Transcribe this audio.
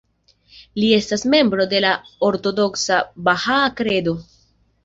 Li estas membro de la ortodoksa Bahaa Kredo.